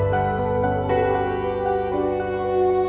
sudah kalian kesini sama abang